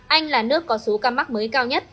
anh là nước có số ca mắc mới cao nhất